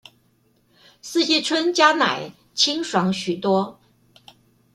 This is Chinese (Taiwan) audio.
四季春加奶清爽許多